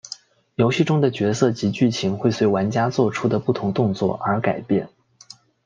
游戏中的角色及剧情会随玩家作出的不同动作而改变。